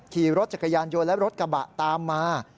ขี่รถจักรยานยนต์และรถกระบะตามมา